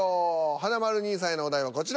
華丸兄さんへのお題はこちら。